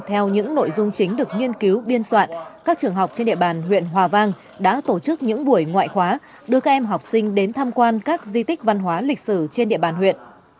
theo những nội dung chính được nghiên cứu biên soạn các trường học trên địa bàn huyện hòa vang đã tổ chức những buổi ngoại khóa đưa các em học sinh đến tham quan các di tích văn hóa lịch sử trên địa bàn huyện